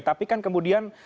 tapi kan kemudian